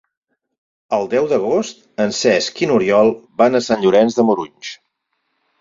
El deu d'agost en Cesc i n'Oriol van a Sant Llorenç de Morunys.